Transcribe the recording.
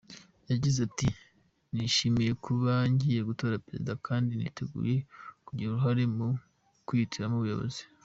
Yagize ati “Nishimiye kuba ngiye gutora Perezida kandi niteguye kugira uruhare mu kwihitiramo umuyobozi.